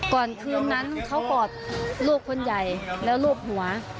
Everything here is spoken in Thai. ก่อนคืนนั้นเขากอดลูกคนใหญ่แล้วรูปหัว